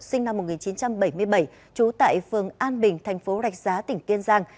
sinh năm một nghìn chín trăm bảy mươi bảy trú tại phường an bình thành phố rạch giá tỉnh kiên giang